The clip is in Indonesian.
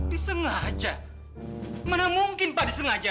disengaja mana mungkin pak disengaja